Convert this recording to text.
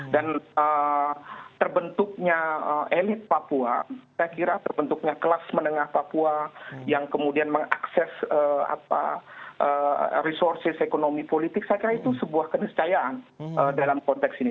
dan terbentuknya elite papua saya kira terbentuknya kelas menengah papua yang kemudian mengakses apa resources ekonomi politik saya kira itu sebuah keniscayaan dalam konteks ini